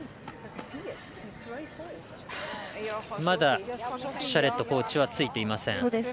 まだシャレットコーチはついていません。